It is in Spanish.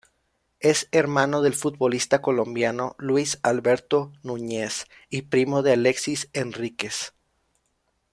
Es hermano del futbolista Colombiano Luis Alberto Núñez y primo de Alexis Henríquez.